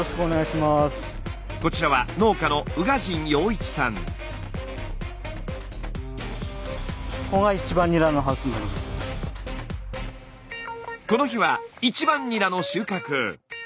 こちらはこの日は１番ニラの収穫。